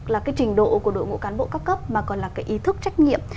là cái trình độ của đội ngũ cán bộ các cấp mà còn là cái ý thức trách nhiệm